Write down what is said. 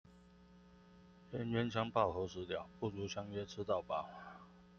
冤冤相報何時了，不如相約吃到飽